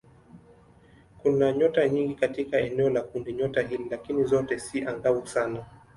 Kuna nyota nyingi katika eneo la kundinyota hili lakini zote si angavu sana.